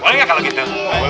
boleh gak kalau gitu